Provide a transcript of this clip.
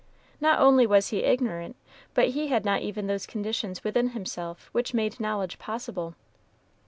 Not only was he ignorant, but he had not even those conditions within himself which made knowledge possible.